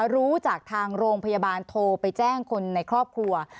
รู้จากทางโรงพยาบาลโทรไปแจ้งคนในครอบครัว